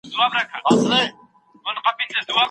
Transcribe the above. مورنۍ ژبه باور زیاتوي.